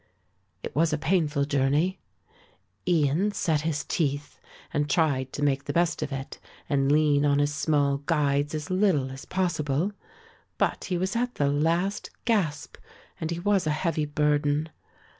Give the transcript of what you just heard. It was a painful journey. Ian set his teeth and tried to make the best of it and lean on his small guides as little as possible, but he was at the last gasp and he was a heavy burden.